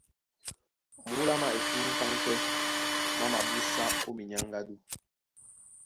Múla má etrúkáŋ pɛ́ má mabúsá ó minyáŋgádú.